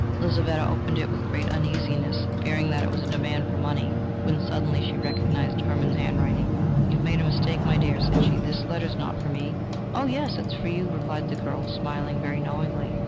Lizaveta opened it with great uneasiness, fearing that it was a demand for money, when suddenly she recognised Hermann's hand writing. "You have made a mistake, my dear," said she: "this letter is not for me." "Oh, yes, it is for you," replied the girl, smiling very knowingly.